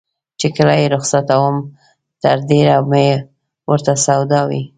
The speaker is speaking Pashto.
چې کله یې رخصتوم تر ډېره مې ورته سودا وي.